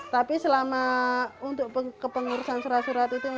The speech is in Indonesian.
tapi selama untuk kepengurusan surat surat itu